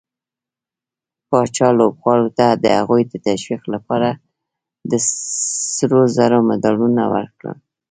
پاچا لوبغارو ته د هغوي د تشويق لپاره د سروزرو مډالونه ورکړل.